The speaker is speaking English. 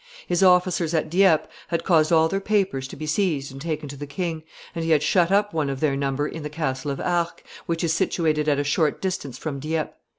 His officers at Dieppe had caused all their papers to be seized and taken to the king, and he had shut up one of their number in the castle of Arques, which is situated at a short distance from Dieppe.